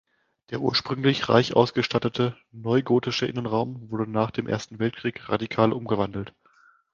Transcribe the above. Der ursprünglich reich ausgestattete neugotische Innenraum wurde nach dem Ersten Weltkrieg radikal umgewandelt.